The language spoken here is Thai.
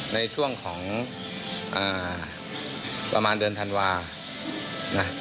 ในช่วงของประมาณเดือนธันวานะ